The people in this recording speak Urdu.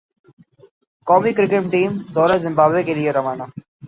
قومی کرکٹ ٹیم دورہ زمبابوے کے لئے روانہ